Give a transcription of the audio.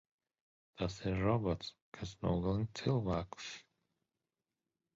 Tas ir robots, kas nogalina cilvēkus.